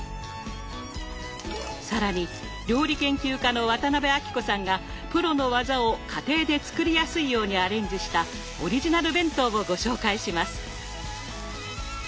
更に料理研究家の渡辺あきこさんがプロの技を家庭で作りやすいようにアレンジしたオリジナル弁当をご紹介します。